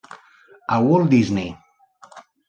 A Walt Disney